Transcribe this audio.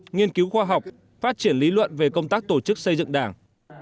nghiên cứu khoa học phát triển lý luận về công tác tổ chức xây dựng đảng